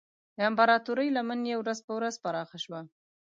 د امپراتورۍ لمن یې ورځ په ورځ پراخه شوه.